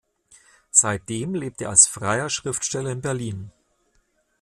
Seitdem lebt er als freier Schriftsteller in Berlin.